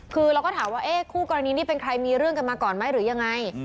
คือเราก็ถามว่าคู่กรณีนี่เป็นใครมีเรื่องกันมาก่อนไหมหรือยังไง